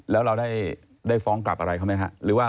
แล้วเราได้ฟ้องกลับอะไรครับมั้ยคะ